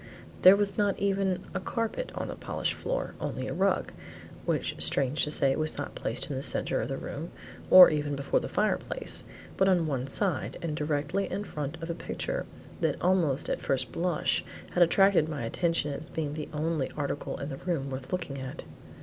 There was not even a carpet on the polished floor, only a rug, which strange to say was not placed in the centre of the room or even before the fireplace, but on one side, and directly in front of a picture that almost at first blush had attracted my attention as being the only article in the room worth looking at.